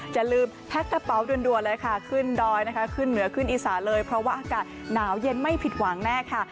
อย่าลืมแพ็กกระเป๋าด่วนเลยค่ะขึ้นดอยนะคะขึ้นเหนือขึ้นอีสานเลยเพราะว่าอากาศหนาวเย็นไม่ผิดหวังแน่ค่ะ